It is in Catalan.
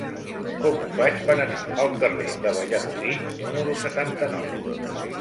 Com ho faig per anar al carrer de Valladolid número setanta-nou?